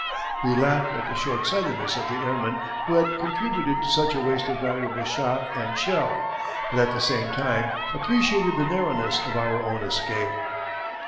We laughed at the short sightedness of the airman who had contributed to such a waste of valuable shot and shell, but at the same time appreciated the narrowness of our own escape."